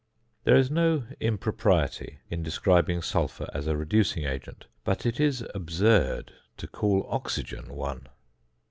There is no impropriety in describing sulphur as a reducing agent; but it is absurd to call oxygen one.